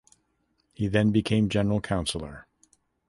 He then became General Councillor.